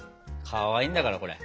かわいいんだからこれ！